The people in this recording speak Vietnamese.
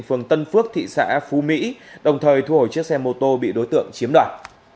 phường tân phước thị xã phú mỹ đồng thời thu hồi chiếc xe mô tô bị đối tượng chiếm đoạt